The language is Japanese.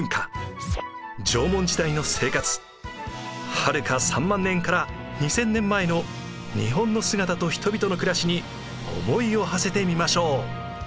はるか３万年から２，０００年前の日本の姿と人々の暮らしに思いをはせてみましょう。